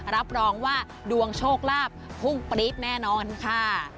รับรองว่าดวงโชคลาภพุ่งปรี๊ดแน่นอนค่ะ